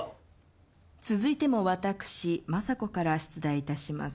続いても私政子から出題致します。